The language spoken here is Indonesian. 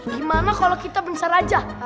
gimana kalau kita bencar aja